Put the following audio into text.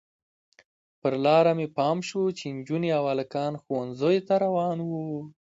پر لاره مې پام شو چې نجونې او هلکان ښوونځیو ته روان وو.